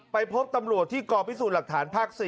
ไปพบตำรวจที่กรพิสูจน์หลักฐานภาค๔